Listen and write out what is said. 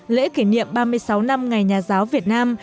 lễ kỷ niệm ba mươi sáu năm ngày nhà giáo việt nam